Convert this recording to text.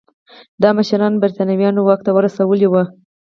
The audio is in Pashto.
دا مشران برېټانویانو واک ته ورسول وو.